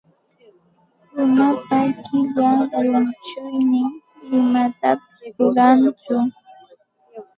Runapa qilla llunchuynin imatapis rurantsu.